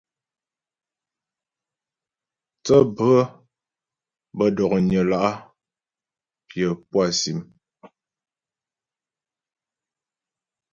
Thə́ bhə̌ bə́ dɔ̀knyə la' pyə̌ pú á sìm.